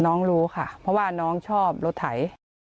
น้องรู้ค่ะเพราะว่าน้องชอบรถไถ